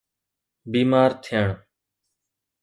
بيمار ٿيڻ